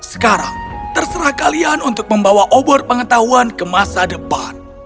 sekarang terserah kalian untuk membawa obor pengetahuan ke kota